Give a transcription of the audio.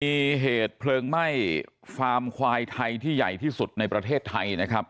มีเหตุเพลิงไหม้ฟาร์มควายไทยที่ใหญ่ที่สุดในประเทศไทยนะครับ